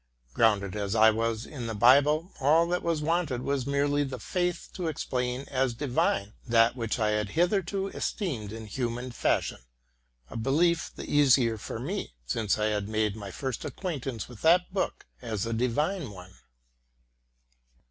Grounded as I was in the Bible, all that was wanted was merely the faith to explain as divine that which I had hitherto esteemed in human fashion, —a belief the easier for me, since I had made my first acquaintance with that book as a divine one.